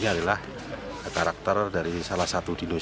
adalah karakter dari salah satu dinosaurus